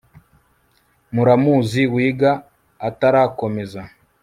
muramuzi wiga atarakomeza